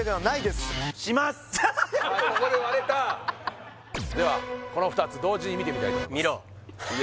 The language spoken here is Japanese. ここで割れたではこの２つ同時に見てみたいと思います